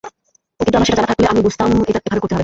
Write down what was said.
কিন্তু আমার সেটা জানা থাকলে আমিও বুঝতাম, এটা এভাবে করতে হবে।